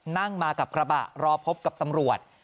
นั่งมากับกระบะรอพบกับตำรวจ